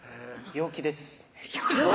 「陽気です」